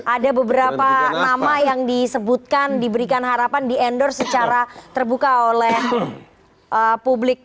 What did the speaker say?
ada beberapa nama yang disebutkan diberikan harapan di endorse secara terbuka oleh publik